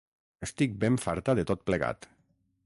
Estic ben farta de tot plegat.